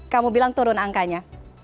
kamu bilang turun angkanya